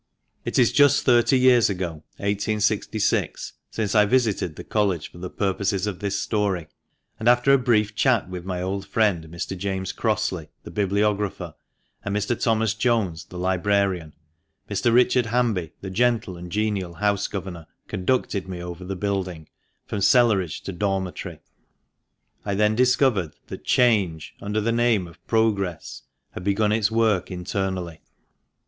It is just thirty years ago — 1866 — since I visited the College for the purposes of this story, and, after a brief chat with my old friend, Mr. James Crossley, the bibliographer, and Mr. Thomas Jones, the librarian, Mr. Richard Hanby, the gentle and genial house governor, conducted me over the building, from cellerage to dormitory. I then discovered that "change," under the name of " Progress." had begun its work internally.